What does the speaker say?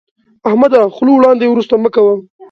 احمده، خوله وړاندې ورسته مه کوه.